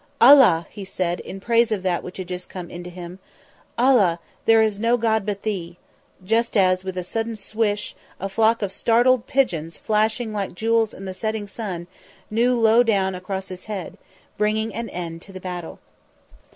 "Allah!" he said, in praise of that which had come unto him, "Allah, there is no God but Thee," just as, with a sudden swish, a flock of startled pigeons flashing like jewels in the setting sun new low down across his head, bringing an end to the battle.